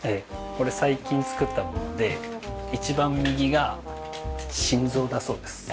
これ最近作ったもので一番右が心臓だそうです。